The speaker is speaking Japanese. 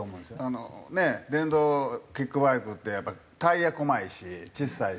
あのねえ電動キックバイクってやっぱりタイヤこまいし小さいし。